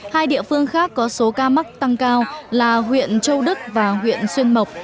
hai địa phương khác có số ca mắc tăng cao là huyện châu đức và huyện xuyên mộc